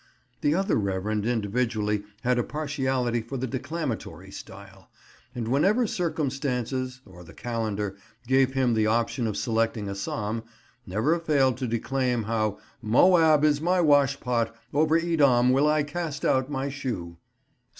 The other reverend individual had a partiality for the declamatory style, and whenever circumstances, or the calendar, gave him the option of selecting a psalm, never failed to declaim how "Moab is my washpot, over Edom will I cast out my shoe" (Ps.